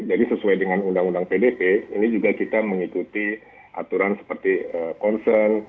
jadi sesuai dengan undang undang pdp ini juga kita mengikuti aturan seperti concern